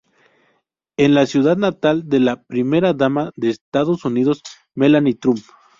Es la ciudad natal de la primera dama de Estados Unidos, Melania Trump.